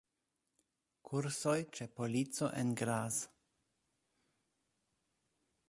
Kursoj ĉe polico en Graz.